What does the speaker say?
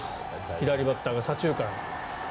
左バッターが左中間に。